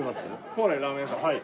宝来ラーメン屋さんはい。